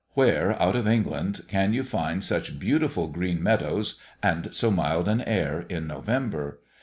Where, out of England, can you find such beautiful green meadows, and so mild an air, in November?